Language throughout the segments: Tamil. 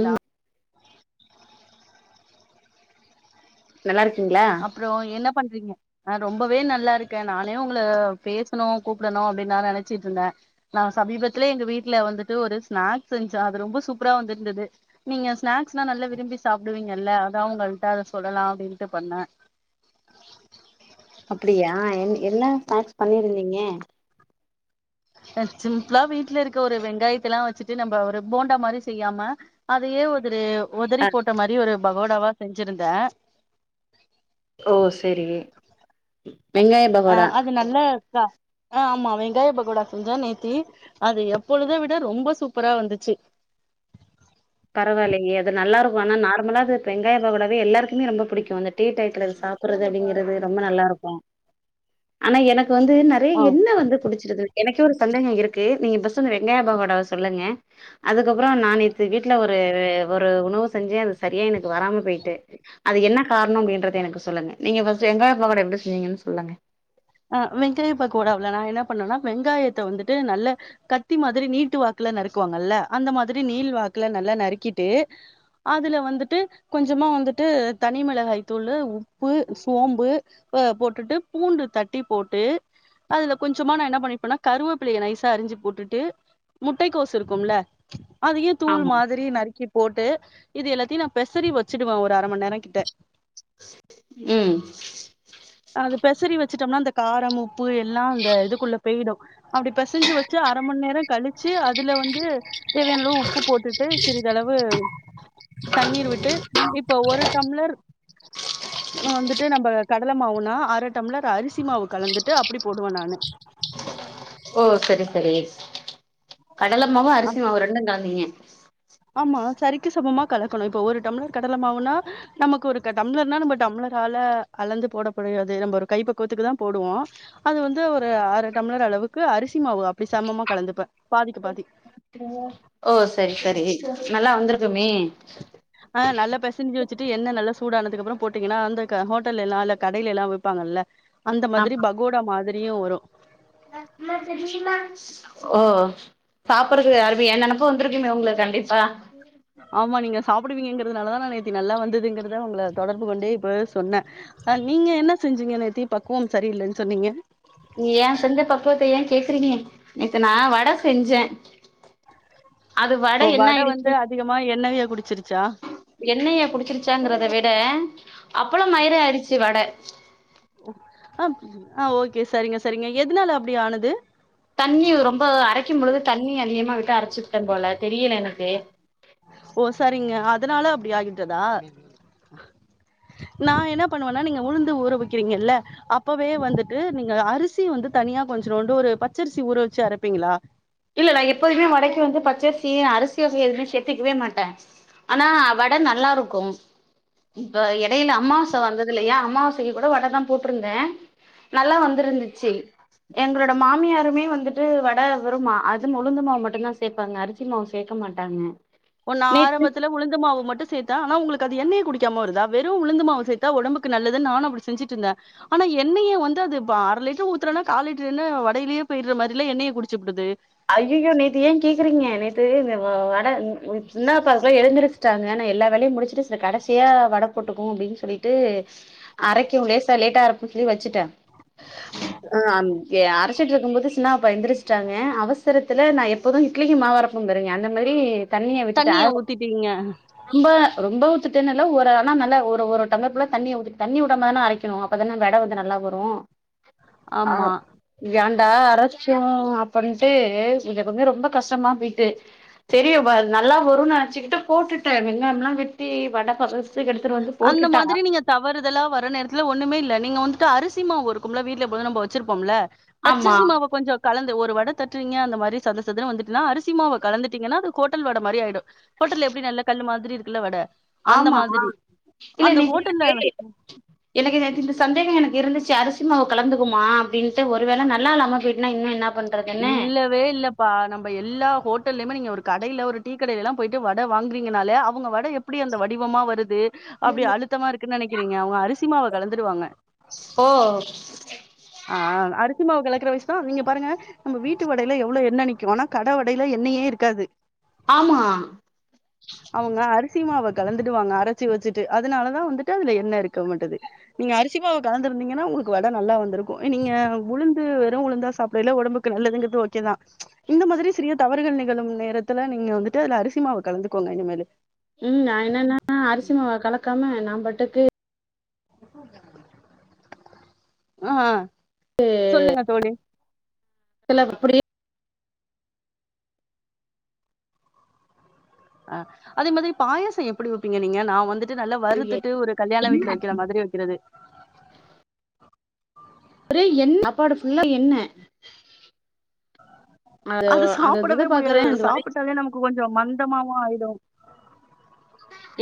ம் நல்லா இருக்கீங்களா அப்புறோ என்ன பண்றீங்க ஆ ரொம்பவே நல்லா இருக்கே நானே உங்கள பேசணு கூப்டணு அப்டின்னு நா நெனச்சிட்டு இருந்த நா சமீபத்ததுல எங்க வீட்ல வந்துட்டு ஒரு ஸ்நாக்ஸு செஞ்சா அது ரொம்ப சூப்பரா வந்திருந்தது நீங்க ஸ்நாக்ஸ்னா நல்லா விரும்பி சாப்டுவீங்கல்ல அதா உங்கள்ட்ட அத சொல்லலா அப்டினுட்டு பண்ண அப்பிடியா என் என்ன ஸ்னாக்ஸ் பண்ணியிருந்தீங்க அ சிம்ப்ளா வீட்ல இருக்க ஒரு வெங்காயத்தலா வெச்சுட்டு நம்ப ஒரு போண்டா மாரி செய்யாம அதயே ஒதரு அ ஒதறி போட்ட மாரி ஒரு பகோடாவா செஞ்சிருந்தா ஓ செரி வெங்காய பகோடா இல்ல அக்கா ஆ ஆம்மா வெங்காய பகோடா சொஞ்சா நேத்தி அது எப்பொழுதா விட ரொம்ப சூப்பரா வந்துச்சு பரவாயில்லியே அது நல்லாருக்கூ ஆனா நார்மலா அது வெங்காய பகடாவே எல்லாருக்குமே ரொம்ப புடிக்கூ அந்த டீ டையத்துல அது சாப்புறது அப்டிங்கறிறது ரொம்ப நல்லாருக்கூ ஆனா எனக்கு வந்து நறிய ஆ எண்ணெ வந்து குடிச்சிருது எனக்கே ஒரு சந்தேகம் இருக்கு நீங்க ஃபஸ்ட் வந்து வெங்கய பகோடாவ சொல்லுங்க அதுக்கப்பறோ நா நேத்து சின்ன ஒரு ஒரு உணவு செஞ்செ அது சரியா எனக்கு வராம போயிட்டு அது என்ன கார்ணொ அப்டின்றறத எனக்கு சொல்லுங்க நீங்க ஃபஸ்டு வெங்காய பகோடா எப்டி செஞ்சிங்கன்னு சொல்லுங்க ஆ வெங்காய பக்கோடவ்ல நா என்ன பண்னுவன்னா வெங்காயத்த வந்துட்டு நல்ல கத்தி மாதிரி நீட்டு வாக்குல நறுக்குவாங்கல்ல அந்த மாதிரி நீள் வாக்குல நல்ல நறுக்கிட்டு அதுல வந்துட்டு கொஞ்சமா வந்துட்டு தனி மிளகாய் தூல்லு உப்பு சோம்பு அ போட்டுட்டு பூண்டு தட்டி போட்டு அதுல கொஞ்சமா நா என்ன பண்ணிருப்பன்னா கருவேப்பிலய நைசா அரிஞ்சு போட்டுட்டு முட்டை கோசு இருக்கும்ல அதையு தூள் ஆமா மாதிரி நறுக்கி போட்டு இது எல்லாத்தியு நா பெசறி வச்சிடுவ ஒரு அர மணி நேர கிட்ட ம் அது பெசறி வச்சுட்டோம்னா அந்த காரம் உப்பு எல்லா அந்த இதுக்குள்ள பெய்டு அப்டி பேசஞ்சு வெச்சு அரமண்நேர கழிச்சு அதுல வந்து தேவயான அளவு உப்பு போட்டுட்டு சிறிதளவு தண்ணீர் விட்டு இப்ப ஒரு டம்ளர் வந்துட்டு நம்ப கடல மாவுன்னா அர டம்ளர் அரிசி மாவு கலந்துட்டு அப்டி போடுவ நானு ஓ சரி சரி கடலமாவு அரிசிமாவு ரெண்டுங்கலந்தீங்க ஆம்மா சரிக்கு சமமா கலக்கணு இப்ப ஒரு டம்ளர் கடல மாவுன்னா நம்மக்கு ஒருக்க டம்ளர்னா நம்ம டம்ளரால அளந்து போடப்படியாது நம்ப ஒரு கை பக்கவத்துக்கு தா போடுவோ அது வந்து ஒரு அர டம்ளர் அளவுக்கு அரிசி மாவு அப்டி சமமா கலந்துப்ப பாதிக்கு பாதி ஓ சரி சரி நல்லா வந்துர்க்குமே ஆ நல்ல பேசஞ்சி வெச்சுட்டு எண்ணெ நல்லா சூட ஆனத்துக்கு அப்புறோ போட்டீங்கன்ன அந்த ஹோட்டல்லஎல்லா இல்ல கடைய்எல்லா விப்பாங்கல்ல அந்த மாதிரி ஆமா பகோடா மாதிரியு வரு ஓ சாப்புற்றது யாருமே என்னா ப்போ வந்திருக்குமே உங்களுக் கண்டிப்பா ஆம்மா நீங்க சாப்புடுவீங்கறதுனாலதா நா நேத்தி நல்லா வந்ததுங்கறத உங்கள தொடர்பு கொண்டே இப்ப சொன்னே அ நீங்க என்ன செஞ்சீங்க நேத்தி பக்குவம் சரியில்லன் சொன்னீங்க ஏ செஞ்ச பக்குவத்த ஏ கேக்குறீங்க நேத்து நா வட செஞ்செ ஓ வட வந்து அதிகமா எண்ணெவிய குடிச்சிருச்சா எண்ணெய்ய குடிச்சிருச்சாங்கறத விட அப்பளோ மயிருஆய்ருச்சு வட ஒ அ அ ஓக்கே சரிங்க சரிங்க எதுனால அப்டி ஆனுது தண்ணி ரொம்ப அரைக்கு பொழுது தண்ணி அதிகமா விட்டு அரச்சுபுட்டே போல தெரியில எனக்கு ஓ சரிங்க அதனால அப்டி ஆகிவ்ட்டதா நா என்ன பண்ணுவன்னா நீங்க உளுந்து ஊற வக்கிறீங்கல்ல அப்பவே வந்துட்டு நீங்க அரிசி வந்து தனியா கொஞ்ச்ரோண்டு ஒரு பச்சரிசி ஊற வச்சி அரப்பீங்ளா இல்ல எப்போதுமே வடைக்கு வந்து பச்சரிசி அரிசி வகை எதுவுமே சேத்துக்கவே மாட்டே ஆனா வட நல்லாருக்கும் இப்ப எடையில அம்மாவசை வந்தது இல்லையா அம்மாவசைக்கு கூட வட தா போட்ருந்த நல்லா வந்திருந்துச்சு எங்களோட மாமியாருமே வந்துட்டு வட வெறுமா அதும் உளுந்து மாவு மட்டுந்தா சேப்பாங்க அரிசி மாவு சேக்க மாட்டாங்க ஒன்னு நேத்து ஆரம்பத்துல உளுந்த மாவு மட்டு சேத் தா ஆனா உங்ளுக்கு அது எண்ணெய குடிக்காம வருதா வெறு உளுந்துமாவு சேத்தா ஒடம்புக்கு நல்லதுன்னு நானும் அப்டி செஞ்சிட்ருந்த ஆனா எண்ணெய வந்து அது ப்பா அரை லிட்ரு ஊத்றனா கால் லிட்ரு எண்ணெ வடையிலியே போயிட்றமாறி இல்ல எண்ணெய குடிச்சுபுடுது ஐய்யய்யோ நேத்து ஏன் கேக்குறீங்க நேத்து இந்த வ வட சின்னா பசங்க எழுந்துருச் சாங்கன்னு எல்லா வேலையு முடிசிட்டு இந்த கடைசியா வட போட்டுக்குவோ அப்டின் சொல்லிட்டு அரைக்கும் லேஸா லேட்டா அரை க்கி வச்சிட்டே அ அம் எ அரைச்சிட்ருக்கும்போது சின்னாபா எந்திரிஸ்ட்டாங்க அவ சரத்துல நா எப்போதும் இட்லிக்கு மாவு அரைப்பே பாருங்க அந்த மாறி தண்ணியா விட்டுட்டே தண்ணிய ஊத்திட்டீங்க ரொம்ப ரொம்போ ஊத்துட்டேன்னு இல்ல ஒரு ஆனா நல்லா ஒரு ஒரு டம்ளர் ஃபுல்லா தண்ணிய ஊத்திட் தண்ணி உட்ட மாறி தானே அரைக்கணு அப்ப தானே வட வந்து நல்லா வரு அ ஆமா ஏண்டா அரைச்சோ அப்படின் டு இந்த பக்கோ ரொம்போ கஷ்டமா போயிட்டு சேரி நல்லா வருன் நெனச்சிக்கிட்டு போட்டுடே வெங்காயம்ல்லா வெட்டி வட பத அந்த மாதிரி நீங்க தவறுதலா வர நேரத்துல ஒண்ணுமே இல்ல நீங்க வந்துட்டு அரிசிமாவு இருக்கும்ல்ல வீட்ல எப்போதும் நம்போ வெச்சிருப்போம்ல்ல ஆமா பச்சரிசிமாவ கொஞ்சோ கலந்து ஒரு வட தட்றீங்க அந்த மாறி சதசதன்னு வந்துட்டுனா அரிசிமாவ கலந்துட்டீங்குன்னா அது ஹோட்டல் வட மாறி ஆயிடும் ஹோட்டல்ல எப்டி நல்லா கல்லு மாதிரி இருக்குல்ல வட அந்த ஆமா மாதிரி இல்ல அந்த நீங்க ஹோட்டல்ல [unintelligible] எனக்கு நேத்து இந்த சந்தேகம் எனக்கு இருந்துச்சி அரிசிமாவு கலந்துக்குவுமா அப்டின்ட்டு ஒரு வேல நல்லா இல்லாம போயிட்னா இன்னு என்னாப் இல்ல ப்றே இல்லப்பா நம்ப எல்லா ஹோட்டல்லையுமே நீங்க ஒரு கடையில ஒரு டீ கடையில எல்லா போயிட்டு வட வாங்றீங்கன்னாலே அவுங்க வட எப் பிடி அந்த வடிவமா வருது அப்டி அழுத்தமா இருக்குன்னு நெனைக்கிறீங்க அவுங்க அரிசிமாவ கலந்துடுவாங்க ஓ ஆ அரிசிமாவு கலக்குற வயிஸ் தா இவிங்க பாருங்க நம்ப வீட்டு வடையில எவ்ளோ எண்ணெ நிக்கும் ஆனா கட வடையில எண்ணெயே இருக்காது ஆமா அவுங்க அரிசிமாவ கலந்துடுவாங்க அரச்சி வெச்சுட்டு அதுனாலதா வந்துட்டு அதுல எண்ணெ இருக்க மாட்டுது நீங்க அரிசி மாவு கலந்திருந்தீங்கன்னா உங்ளுக்கு வட நல்லா வந்துருக்கும் நீங்க உளுந்து வெறும் உளுந்தா சாப்டையில ஒடம்புக் கு நல்லதுங்கிறது ஓக் க்கே தா இந்த மாதிரி சிறிய தவறுகள் நிகழும் நேரத்துல நீங்க வந்துட்டு அதுல அரிசிமாவ கலந்துக்கோங்க இனிமேலு உம் நா என்னென்னா அரிசிமாவ கலக்காம நா பாட்டுக்கு ஆ சொல்லுங்க தோழி ல்ல புரி அ அதே மாதிரி பாயசோ எப்பிடி வெப்பீங்க நீங்க நா வந்துட்டு நல்லா அப்டியே வறுத்துட்டு ஒரு கல்யாண வீட்ல வெக்கிற மாறி வெக் கிறது ஒரே எண் சாப்பாடு ஃபுல்லா எண்ணெ அது அந்த இது சாப்பிடவே முடியாது பாக்குறே அத அந்த வட சாப்பிட்டாலே கொஞ்சோ மந்தமாவு ஆயிடு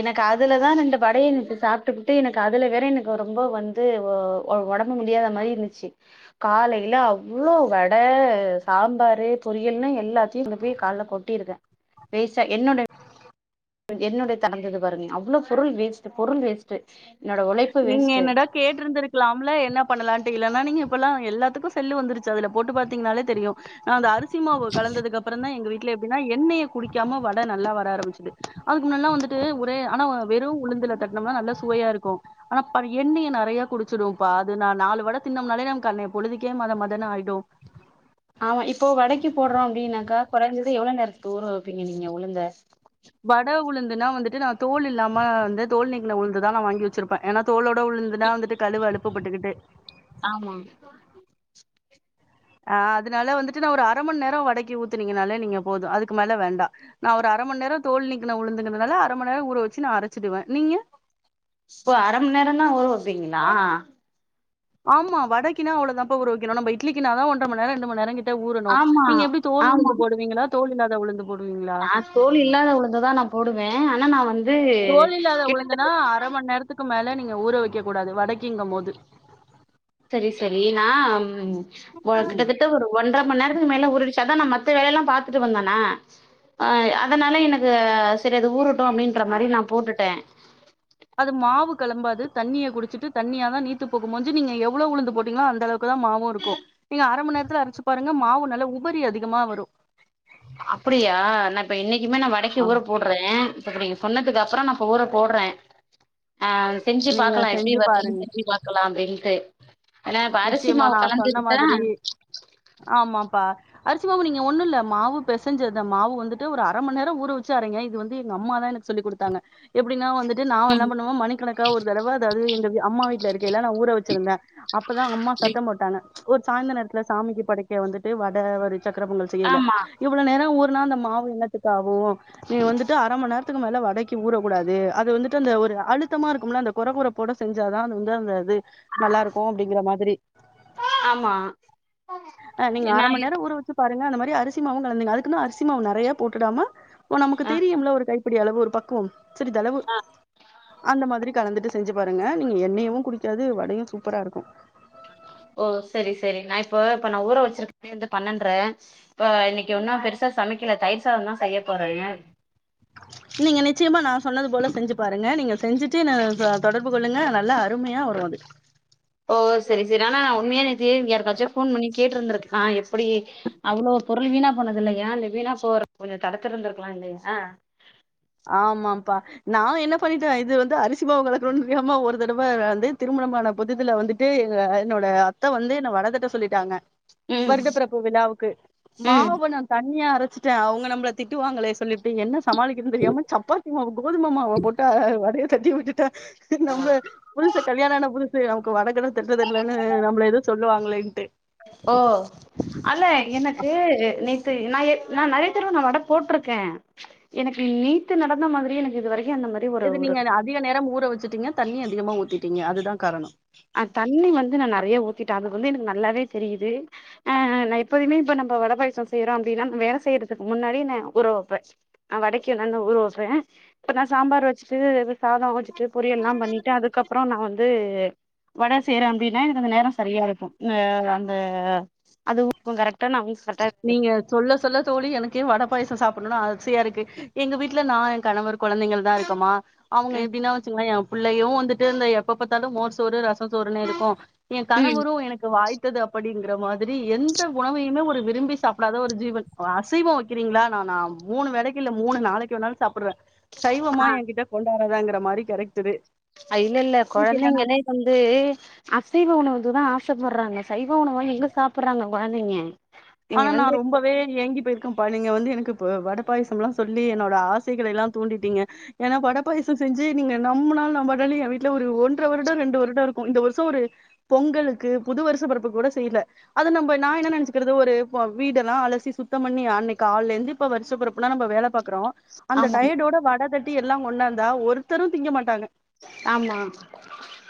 எனக்கு அதுலதா ரெண்டு வடைய நேத்து சாப்ட்டுபுட்டு எனக்கு அதுல வேற எனக்கு ரொம்போ வந் த்து ஒ ஒ ஓடம்பு முடியாத மாரி இருந்துச்சு காலையில அவ்ளோ வட சாம்பாரு பொரியல்னு எல்லாத்தையு கொண்டுப்போய் கால்ல கொ ட்டிருக்கே வேஸ்ட்டா என்னோட என்னுடைய திறந்தது பாருங்க அவ்ளோ பொருள் வேஸ்ட்டு பொருள் வேஸ்ட்டு என்னோட உழை நீங்க என்னடா கேட்டுருந்திருக்கலாம்ல என்ன பண்ணலாட்டு இல்லனா நீங்க இப்ப எல்லா எல்லாத்துக்கு செல்லு வந்துருச்சு அதுல போட்டு பாத்தீங்கனாலே தெரியு நா அந்த அரிசி மாவு கலந்ததுக்கு அப்புறோ தா எங்க வீட் ட்ல எப்டினா எண்ணெய குடிக்காம வட நல்லா வர ஆரம்பிச்சுது அதுக்கு முன்னெல்லா வந்துட்டு ஒரே ஆனா வெறு உளுந்துல தட்டினம்னா நல்லா சுவையாருக்கோ ஆனா பாரு எண்ணய நறைய குடிச்சுடும்ப்பா அதுனா நாலு வட தின்னம்னாலே நமக்கு அன்னைய பொழுதுக்கே மத மதனு ஆய்டு ஆமா இப்போ வடைக்கி போட்றோ அப்டின்னாக்கா கொறைஞ்சது எவ்ளோ நேரத்துக்கு ஊர வைப்பீங்க நீங்க உளுந்த வட உளுந்துனா வந்துட்டு ந தோல் இல்லாம வந்து தோல் நீக்குனா உழுந்து தா நா வாங்கி வச்சிருப்பே ஏன்னா தோளோட உளுந்துனா வந்துட்டு கழுவ அலுப்பு பட்டுகிட்டு ஆமா ஆ அதனால வந்துட்டு நா ஒரு அர மண் நேரோ வடக்கி ஊத்தனீங்கனாலே நீங்க போது அதுக்கு மேல வேண்டா நா ஒரு அர மண் நேரோ தோல் நீக்கின உழுந்துங்கறனால அர மண் நேரோ ஊற வச்சு நா அரைச்சிடுவே நீங்க ஓ அர மண் நேரோ தா ஊறவப்பீங்களா ஆமா வடக்கின்னா அவ்ளோ தா பா ஊறவக்கனோ நம் இட்லிக்கினதா ஒன்ர மண் நேரோ ரெண்டு மண் நேரோ கிட் ட ஊறணு ஆமா நீங்க எப்டி தோல் உழுந்து போடுவீங்களா தோல் இல்லாத உழுந்து நா தோல் இல்லாத உளுந்ததா நா போடுவே ஆனா நா வந் தோல் இல்லாத உழுந்துனா அர மண் நேரத்துக்கு மேல நீங்க ஊற வைக்க கூடாது வடக்கிங்கு போது சரி சரினா ஒ ம். கிட்டதட் ட ஒரு ஒன்றரை மண் நேரத்துக்கு மேல ஊறிடுச்சி அதா நா மத்த வேலயெல்லா பாத்துட்டு வந்தோனே அ அதனால எனக்கு அது செரி அது ஊறட்டு அப்டின்ற மாரி நா போட்டுட்டே அது மாவு களம்பாது தண்ணிய குடிச்சுட்டு தண்ணியா தா நீத்து போகு ஒளிஞ்சி நீங்க எவ்ளோ உளுந்து போட்டீங்களோ அந்த அளவு க்கு தா மாவு இருக்கு நீங்க அர மண் நேரத்துல அரைச்சு பாருங்க மாவு நல்ல உபரி அதிகமா வரு அப்டியா நா இப்ப இன்னைக்குமே நா வடக்கி ஆ ஊற போ ட்றே இப்பக்கு நீங்க சொன்னதுக்கு அப்றோ நா இப்ப ஊர போட்றே அ செஞ்சு நீங்க பாக்கலா எப்டி செஞ்சு வர்றதுன்னு பாருங்க. செஞ்சு பாக்கலா அப்டின்னுட்டு என்னா இப்ப அரசி நிச்சயமா மாவு நான் சொன்ன கலந்துகிட்ட மாதிரி ஆமாப்பா அரிசி மா நீங்க ஒண்ணு இல்ல மாவு பெசஞ்சு அந்த மாவு வந்துட்டு ஒரு அர மணி நேரோ ஊற வச்சு அரைங்க இது வந்து எங்க அம்மா தா எனக்கு சொல்லி குடுத்தாங்க எப்டின்னா வந்துட்டு நா என்ன ம் பண்ணுவே மணிக்கணக்கா ஒரு தடவ அதாவ்து எங்க அம்மா வீட்டுல இருக்கையில நா ஊற வச்சிருந்தே அப்பதா அம்மா சத்தோ போட்டாங்க ஒரு சாய்ந்த நேரத்துல சாமிக்கு படைக்க வந்துட்டு வட ஒரு சக்கர பொங்கல் செய்யில ஆமா இவ்ளோ நேரோ ஊர்னா அந்த மாவு எண்ணத்துக்கு ஆவு நீ வந்துட்டு அர மண் நேரத்துக்கு மேல வடக்கி ஊற கூடாது அது வந்துட்டு அந்த ஒரு அழுத்தமா இருக்கும்ல அந்த கொற கொறப்போட செஞ்சாதா அது வந்து அந்த அது நல்லா இருக் கு அப்டிங்கிற மாதிரி ஆமா அ நீங்க அர நா மண் நேரோ ஊர வச்சு பாருங்க அந்த மாரி அரிசி மாவு கலந்திங்க அதுக்குன்ன அரிசி மாவு நறைய போட்டுடாம போ நமக்கு ஆ தெரியும்ல ஒரு கை புடி அளவு ஒரு பக்குவோ சிரிதளவு ஆ அந்த மாதிரி கலந்துட்டு செஞ்சு பாருங்க நீங்க எண்ணெயவு குடிக்காது வடையு சூப்பரா இருக்கு ஓ செரி செரி நா இப்ப இப்ப நா ஊர வச்சிருக்கதே வந்து பன்னென்ரே இப்ப இன்னைக்கு ஒன்னு பெருசா சமைக்கல தயிர் சாதோ தா செய்ய போறே [inaudible] நீங்க நிச்சயமா நா சொன்னது போல செஞ்சு பாருங்க நீங்க செஞ்சுட்டு என்ன தொ தொடர்பு கொள்ளுங்க நல்லா அருமையா வரு அது ஓ செரி செரி ஆனா நா உண்மையா [unintelligible] யாருக்காச்சும் ஃபோன் பண்ணி கேட்டுருந்திருக்கலா எப்டி அவ்ளோ பொருள் வீணா போனது இல்லையா இல்ல வீணா போற கொஞ்சொ தடுத்து இருந்திருக்கலா இல்லையா ஆமாப்பா நா என்ன பண்ணிட்டே இது வந்து அரிசி மாவ கலக்குனுன் தெரியாம ஒரு தடவ வந்து திருமணமான புதுசுல வந்துட் டு இது என்னோட அத்த வந்து என்ன வட தட்ட சொல்லிட்டாங்க ம் வருட பிறப்பு விழாவுக்கு மாவ ம் கொஞ்சொ தண்ணியா அரச்சுட்டே அவங்க நம்மள திட்டுவாங்களே சொல்லிப்ட்டு என்ன சமாளி க்றதுன் தெரியாம சப்பாத்தி மாவ கோதும மாவ போட்டு அ வடய தட்டி வுட்டுட்டே நம்மள புதுசு கல்யாணான புதுசு நமக்கு வடக்கிட தட்ட தெர்லன்னு நம்மள எதுவு சொல்லுவாங்களேன்ட்டு ஓ அல்ல எனக்கு நேத் து நா எ நா நெறைய தடவ நா வட போட்டுருக்கே எனக்கு நேத்து நடந்த மாதிரி எனக்கு இதுவரைக்கு அந்த மாரி ஒரு இது ஒரு நீங்க அத அதிக நேரம் ஊற வச்சுட்டீங்கா தண்ணி அதிகமா ஊத்திட்டீங்க அதுதா காரணோ அ தண்ணி வந்து நா நெறைய ஊத்திட்டே அது வந்து எனக்கு நல்லாவே தெரியுது ஆ நா எப்போதுமே இப்ப நம்ப வட பாயாசோ செய்றோ அப்டின்னா நம்ப வேல செய்யறதுக்கு முன்னாடிே நா ஊறவப்பே ஆ வடைக்கு என்னான்னு நா ஊற வப்பே இப்போ நா சாம்பார் வச்சுட்டு சாதோ வச்சிட்டு பொரியல்லா பண்ணிட்டு அதுக்கப்பறோ நா வந்து வடை செய்றே அப்டின்னா எனக்கு அந்த நேரம் சரியா இருக்கு ந்த அந்த அதுவு [inaudible] இப்போ கரெக்டான அவுன்ஸ் நீங்க சொல்ல சொல்ல தோழி எனக்கே வட பாயாசோ சாப்டணுனு ஆசையா இருக்கு எங்க வீட்டுல நா என் கணவர் கொழந்தைங்கள்தா இருக்கோமா அவங்க ம் எப்டின்னா வச்சுங்களே எ புள்ளையு வந்துட்டு இருந்த எப்ப பாத்தாலு மோர் சோறு ரசொ சோறுன்னு இருக்கு எ ம் கணவரு எனக்கு வாய்த்தது அப்டிங்கற மாதிரி எந்த உணவையுமே ஒரு விரும்பி சாப்டாத ஒரு ஜீவன் அ அசைவோ வைக்கிறீங்களா நா நா மூணு வேளைக்கு இல்ல மூணு நாளைக்கு வேணாலு சாப்புடுவே சைவமா எங்கிட்ட கொண்டு வராதாங்குற மாரி கேரக்டரு அ இல்லல்ல எனக்கு கொழந்தைங்களே வந்து அசைவ உணவுக்கு தா ஆசப்படுறாங்க சைவ உணவா எங்க சாப்புடுறாங்க கொழந்தைங்க ஆ நீங்க நா வந்து ரொம்பவே ஏங்கி போயிருக் அப்பா நீங்க வந்து எனக்கு இப்ப வட பாயசம்லா சொல்லி என்னோட ஆசைகள எல்லா தூண்டிடீங்க ஏனா வட பாயசோ செஞ்சு நீங்க நம்புனாலு நம்பாட்டினாலு என் வீட்ல ஒரு ஒன்ற வருடோ ரெண்டு வருடோ இருக்கு இந்த வருஷோ ஒரு பொங்கலுக்கு புது வருச பிறப்பு கூட செய்யல அத நம்ப நா என்ன நெனைச்சிக்கிறது ஒரு இப்ப வீடெல்லா அலசி சுத்தம் பண்ணி அன்னைக்கு காலைருந்து இப்போ வருச பொறப்புனா நம்ப வேலை பாக்குறோ அந்த ஆமா டயடோட வட தட்டி எல்லா கொண்டாந்தா ஒருத்தரு திங்க மாட்டாங்க ஆமா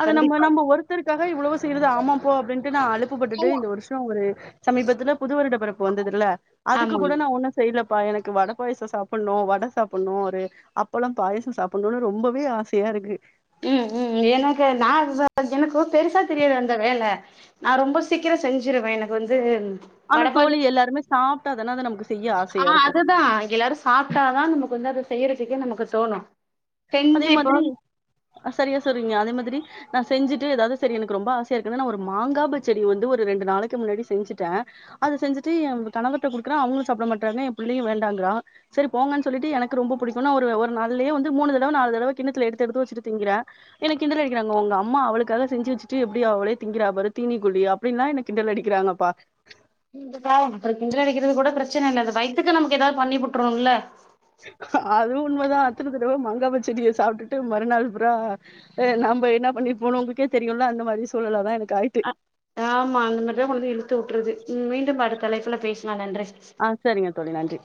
அத நம்போ கண்டிப்பா நம்ப ஒருத்தருக்காக இவ்வளவு செய்யறது ஆமா போ அப்டின்ட்டு நா அலுப்புப்பட்டுட்டே இந்த வருஷோ ஒரு சமீபத்துல புது வருட பிறப்பு வந்ததுல்ல அதுக்கு ஆமா கூட நா ஒன்னு செய்லப்பா எனக்கு வட பாயாசோ சாப்பட்ணு வட சாப்பட்ணு ஒரு அப்பெல்லாம் பாயசோ சாப்படணுனு ரொம்பவே ஆசையா இருக்கு ம் ம் எனக்கு நா [inaudible] எனக்கு பெருசா தெரியாது அந்த வேல நா ரொம்ப சீக்கரோ செஞ்சிருவே எனக்கு வந்து ஆனா வடப்பாயச தோழி எல்லாருமே சாப்ட்டாதானேதா நமக்கு செய்ய ஆ ஆசையா இருக்கு அதுதா எல்லாரு சாப்ட்டாதா நமக்கு வந்து அத செய்யறதுக்குன் நமக்கு தோணு அதே செஞ்சு இப்போ மாதிரி சரியா சொல்றீங்க அதே மாதிரி நா செஞ்சுட்டு எதாவ்து சரி எனக்கு ரொம்ப ஆசையா இருக்குன்னு நா ஒரு மாங்கா பச்சடி வந்து ஒரு ரெண்டு நாளைக்கு முன்னாடி செஞ்சுட்டே அத செஞ்சுட்டு எ கணவர்ட்ட குடுக்குற அவங்களு சாப்ட மாட்டறாங்க எ பிள்ளையு வேண்டாங்கிறா செரி போங்கன் சொல்லிட்டு எனக்கு ரொம்ப புடிக்குனு அவரு ஒரு நாள்யே வந்து மூணு தர வ நாலு தடவ கிண்ணத்துல எடுத்து எடுத்து வச்சுட்டு திங்கிற என்ன கிண்டல் அடிக்கிறாங்க உங்க அம்மா அவளுக்காக செஞ்சி வச்சிட்டு எப்டி அவளே திங்கிறா பாரு தீனிக்குழ்ழி அப் அப்டின்னாலா என்ன கிண்டல் அடிக்கிறாங்கப்பா இந்துக்கா அப்றோ கிண்டல் அடிக்கிறதுக்கு கூட பிரச்சன இல்ல அது வைய்த்துக்கு நமக்கு ஏதாவது பண்ணி வுட்டுரோ இல்ல அதுவு உண்மதா அத்தன தடவ மங்கா பச்சடிய சாப்ட்டுட்டு மறுநாள் ப்ரா ஆ நம்ப எண்ணா பண்ணிட் போனு உங்களுக்கே தெரியுல்ல அந்த மாரி சூழ்நெல தா எனக்கு ஆயிட்டு ஆமா அந்த மார்தா வந்து இழுத்து வுட்றது மீண்டும் அடுத் தலைப்புல பேசலா நன்றி ஆ செரிங்க தோழி நன்றி